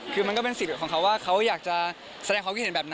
คือมันก็เป็นสิทธิ์ของเขาว่าเขาอยากจะแสดงความคิดเห็นแบบนั้น